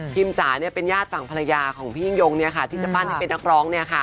จ๋าเป็นญาติฝั่งภรรยาของพี่ยิ่งยงที่จะปั้นให้เป็นนักร้อง